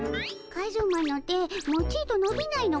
カズマの手もちとのびないのかの。